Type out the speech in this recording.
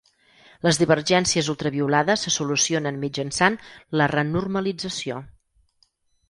Les divergències ultraviolades se solucionen mitjançant la renormalització.